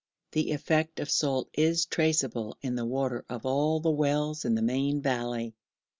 The effect of salt is traceable in the water of all the wells in the main valley.